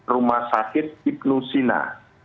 rumah sakit iplusina